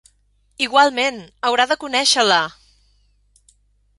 Igualment, haurà de conèixer-la.